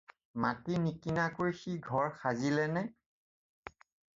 মাটি নিকিনাকৈ সি ঘৰ সাজিলেনে?